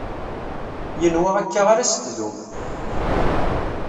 Yenwa akka ara s-tdum